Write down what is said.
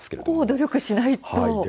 結構、努力しないと。